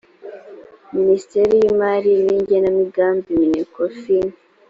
minisiteri y imali n igenambigambi minecofin